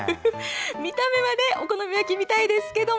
見た目はお好み焼きみたいですけど。